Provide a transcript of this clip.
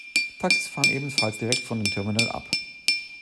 Taxis fahren ebenfalls direkt vor dem Terminal ab.